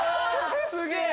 すげえ！